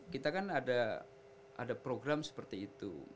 kita kan ada program seperti itu